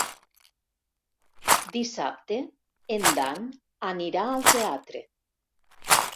Dissabte en Dan anirà al teatre.